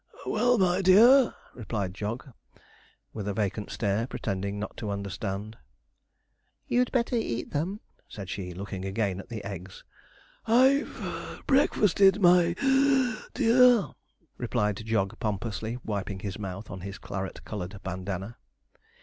'Well, my dear,' replied Jog, with a vacant stare, pretending not to understand. 'You'd better eat them,' said she, looking again at the eggs. 'I've (puff) breakfasted, my (wheeze) dear,' replied Jog pompously, wiping his mouth on his claret coloured bandana.